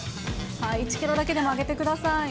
１キロだけでもあげてください。